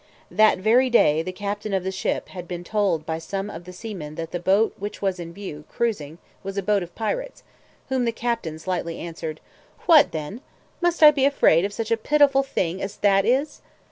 That very day the captain of the ship had been told by some of the seamen that the boat which was in view, cruising, was a boat of pirates; whom the captain slightly answered, 'What then, must I be afraid of such a pitiful thing as that is?